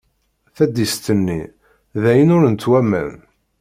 Taddist-nni d ayen ur nettwaman.